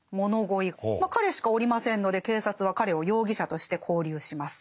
まあ彼しかおりませんので警察は彼を容疑者として拘留します。